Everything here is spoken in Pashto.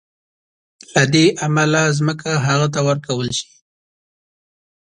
له دې امله ځمکه هغه ته ورکول شي.